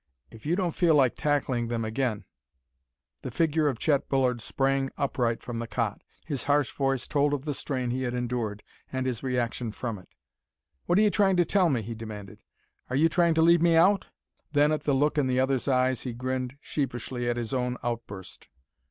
If you don't feel like tackling them again " The figure of Chet Bullard sprang upright from the cot. His harsh voice told of the strain he had endured and his reaction from it. "What are you trying to tell me?" he demanded. "Are you trying to leave me out?" Then at the look in the other's eyes he grinned sheepishly at his own outburst.